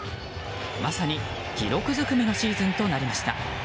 まさに記録ずくめのシーズンとなりました。